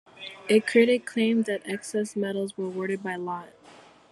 A critic claimed that the excess medals were awarded by lot.